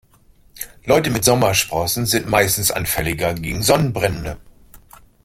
Leute mit Sommersprossen sind meistens anfälliger gegen Sonnenbrände.